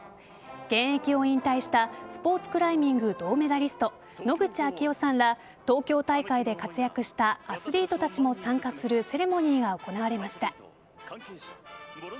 現役を引退したスポーツクライミング銅メダリスト野口啓代さんら東京大会で活躍したアスリートたちも参加するセレモニーが行われました。